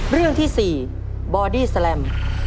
เรื่องที่๔บอดี้แลม